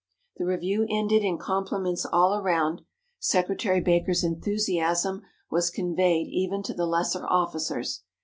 The review ended in compliments all around. Secretary Baker's enthusiasm was conveyed even to the lesser officers.